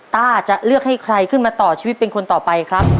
ต้าจะเลือกให้ใครขึ้นมาต่อชีวิตเป็นคนต่อไปครับ